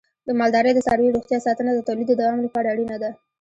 د مالدارۍ د څارویو روغتیا ساتنه د تولید د دوام لپاره اړینه ده.